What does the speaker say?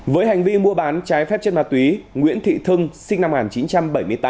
với hành vi mua bán trái phép chất ma túy nguyễn thị thương sinh năm một nghìn chín trăm bảy mươi tám